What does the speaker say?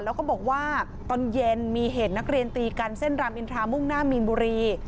แล้วก็บอกว่าตอนเย็นมีเหตุนักเรียนตีกันเส้นรามอินทรามุ่งหน้ามีนบุรี